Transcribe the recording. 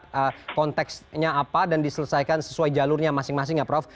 kemudian konteksnya apa dan diselesaikan sesuai jalurnya masing masing ya prof